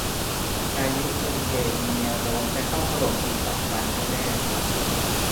พายุเฮอริเคนมีมีแนวโน้มจะเข้าถล่มอีกสามวันข้างหน้า